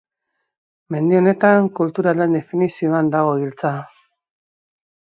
Mendi honetan, kulturaren definizioan dago giltza.